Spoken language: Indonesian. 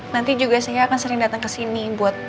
nanti juga saya akan sering datang kesini